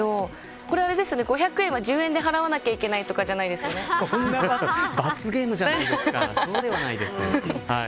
これ５００円は１０円で払わないとそんな罰ゲームじゃないですからそうではないですよ。